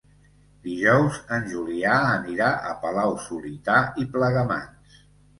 Dijous en Julià anirà a Palau-solità i Plegamans.